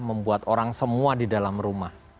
membuat orang semua di dalam rumah